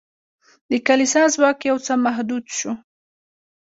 د کلیسا ځواک یو څه محدود شو.